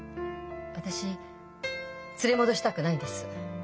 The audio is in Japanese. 私連れ戻したくないんです。